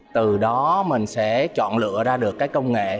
từ đó mình sẽ chọn lựa ra được cái công nghệ